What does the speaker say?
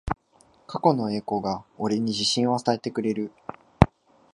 過去の栄光が俺に自信を与えてくれる